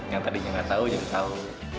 yang tadinya nggak tahu yang tahu